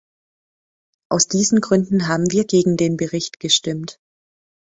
Aus diesen Gründen haben wir gegen den Bericht gestimmt.